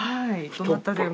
どなたでも。